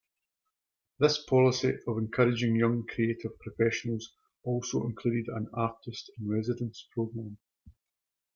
This policy of encouraging young creative professionals also included an Artist-in-Residence program.